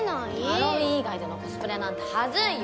ハロウィーン以外でのコスプレなんて恥ずいよ。